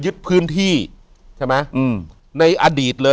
อยู่ที่แม่ศรีวิรัยิลครับ